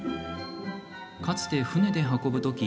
かつて船で運ぶとき